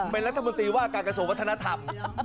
เป็นรัฐบุรตีว่ากากส่งวัฒนธรรม